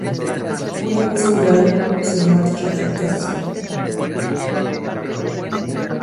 Una vez curado, se marcha a casa.